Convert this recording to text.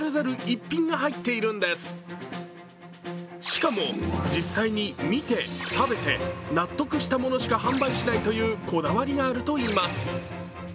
しかも実際に見て食べて納得したものしか販売しないというこだわりがあるといいます。